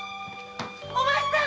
お前さん‼